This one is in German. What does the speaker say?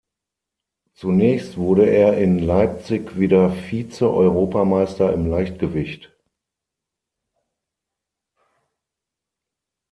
Zunächst wurde er in Leipzig wieder Vizeeuropameister im Leichtgewicht.